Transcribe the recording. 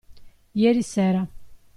Ieri sera.